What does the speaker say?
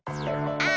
あ。